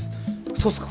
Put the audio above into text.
そうすか？